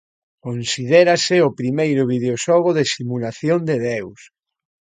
Considérase o primeiro videoxogo de simulación de deus.